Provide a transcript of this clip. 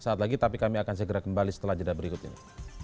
saat lagi tapi kami akan segera kembali setelah jeda berikut ini